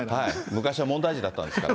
昔は問題児だったんですから。